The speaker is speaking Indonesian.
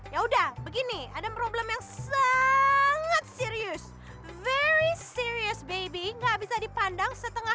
ya udah begini ada problem yang sangat serius very series baby nggak bisa dipandang setengah